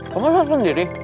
kamu masak sendiri